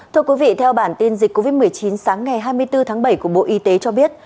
thưa quý vị theo bản tin dịch covid một mươi chín sáng ngày hai mươi bốn tháng bảy của bộ y tế cho biết